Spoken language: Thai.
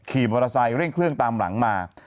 ขี่มอเตอร์ไซค์เร่งเครื่องตามหลังมา